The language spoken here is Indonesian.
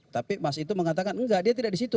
tapi mas itu mengatakan enggak dia tidak di situ